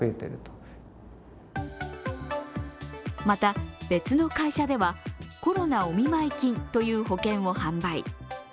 また、別の会社ではコロナお見舞い金という保険を販売。